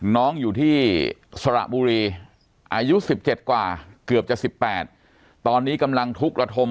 น้องอยู่ที่สระบุรีอายุ๑๗กว่าเกือบจะ๑๘ตอนนี้กำลังทุกข์ระทม